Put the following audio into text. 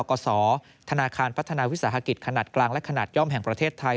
กศธนาคารพัฒนาวิสาหกิจขนาดกลางและขนาดย่อมแห่งประเทศไทย